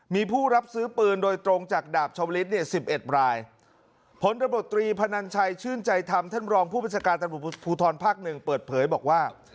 มีผู้รับซื้อปืนโดยตรงจากดาบชาวลิศเนี่ยสิบเอ็ดรายผลระบบตรีพนันชัยชื่นใจธรรมท่านรองผู้บัญชาการตำรวจภูทรภาคหนึ่งเปิดเผยบอกว่า